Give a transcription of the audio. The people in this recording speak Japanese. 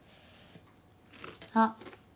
あっ。